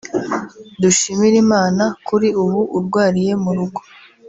Dushimirimana kuri ubu urwariye mu rugo